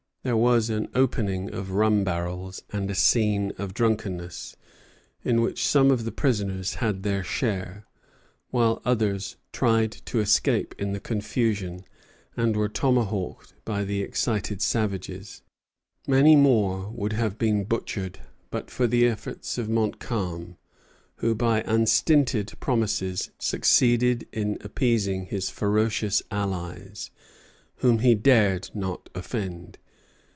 There was an opening of rum barrels and a scene of drunkenness, in which some of the prisoners had their share; while others tried to escape in the confusion, and were tomahawked by the excited savages. Many more would have been butchered, but for the efforts of Montcalm, who by unstinted promises succeeded in appeasing his ferocious allies, whom he dared not offend.